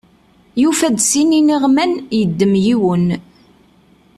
Yufa-d sin iniɣman, yeddem yiwen.